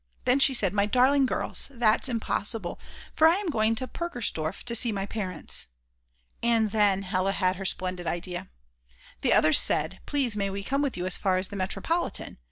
Then she said: "My darling girls, that's impossible, for I am going to Purkersdorf to see my parents." And then Hella had her splendid idea. The others said: "Please may we come with you as far as the metropolitan?"